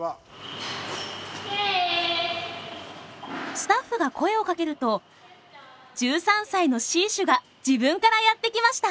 スタッフが声をかけると１３歳のシーシュが自分からやって来ました。